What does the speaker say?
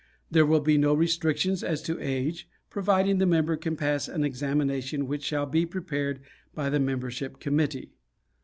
There will be no restrictions as to age, providing the member can pass an examination which shall be prepared by the membership committee."